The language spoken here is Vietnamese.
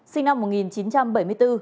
sinh năm một nghìn chín trăm bảy mươi bốn